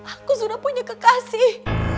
aku sudah punya kekasih